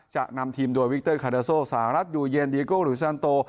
จะนำทีมโดยวิกเตอร์คาเดอร์โซสหรัฐอยู่เย็นดีโก้หรือซันโต